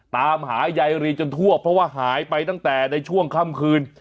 ตามหายายรีจนทั่วเพราะว่าหายไปตั้งแต่ในช่วงค่ำคืน